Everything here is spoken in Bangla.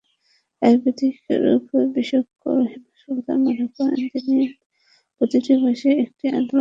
আয়ুর্বেদিক রূপবিশেষজ্ঞ রাহিমা সুলতানা মনে করেন, প্রতিটি বয়সেরই একটি আলাদা সৌন্দর্য আছে।